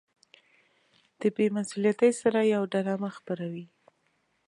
په بې مسؤليتۍ سره يوه ډرامه خپروي.